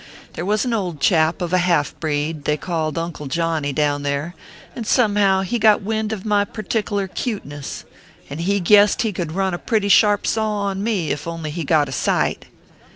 They was an old chap of a half breed they called Uncle Johnny, down there, and somehow he got wind of my pertikler cuteness, and he guessed he could run a pretty sharp saw on me, if he only got a sight.